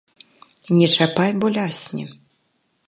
Не чапай, бо лясне!